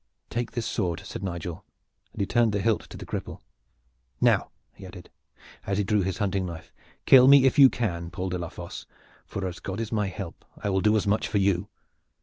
"Take this sword!" said Nigel, and he turned the hilt to the cripple. "Now!" he added, as he drew his hunting knife. "Kill me if you can, Paul de la Fosse, for as God is my help I will do as much for you!"